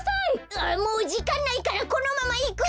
あもうじかんないからこのままいくよ！